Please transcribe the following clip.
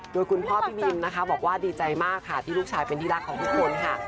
โดยคุณพ่อพี่บินนะคะบอกว่าดีใจมากค่ะที่ลูกชายเป็นที่รักของทุกคนค่ะ